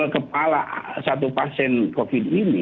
kepala satu pasien covid ini